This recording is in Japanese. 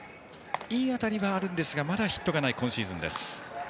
いい当たりはありますがまだヒットがない今シーズン。